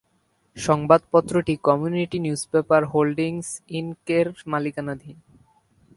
সংবাদপত্রটি community newspaper holdings Inc -এর মালিকানাধীন।